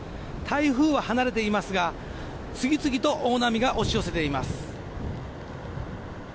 台風は離れていますが次々と大波が押し寄せています。